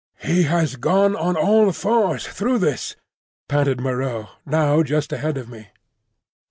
"He has gone on all fours through this," panted Moreau, now just ahead of me.